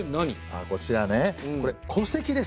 あっこちらねこれ戸籍です。